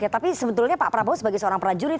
tapi sebetulnya pak prabowo sebagai seorang prajurit